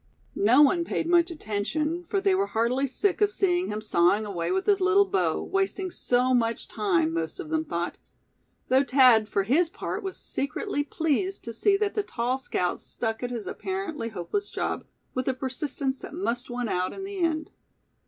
No one paid much attention, for they were heartily sick of seeing him sawing away with his little bow, wasting so much time, most of them thought; though Thad for his part was secretly pleased to see that the tall scout stuck at his apparently hopeless job; with a persistence that must win out in the end.